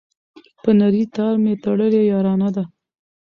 په نري تار مي تړلې یارانه ده